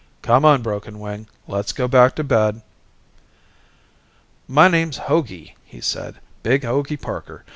"Come on, Broken Wing, let's go back to bed." "My name's Hogey," he said. "Big Hogey Parker.